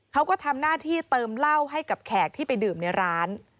เขาก็ทำหน้าที่เติมเหล้าให้กับแขกที่ไปดื่มในร้าน